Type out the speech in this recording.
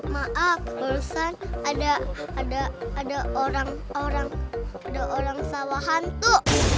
maaf barusan ada orang sawah hantu